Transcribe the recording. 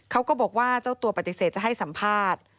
เขาก็บอกว่าเจ้าตัวปฏิเสธจะให้สัมภาษณ์